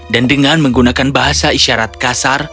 dan dengan menggunakan bahasa isyarat kasar